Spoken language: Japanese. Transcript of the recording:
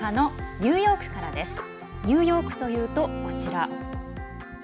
ニューヨークというと、こちら。